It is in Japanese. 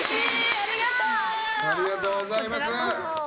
ありがとうございます。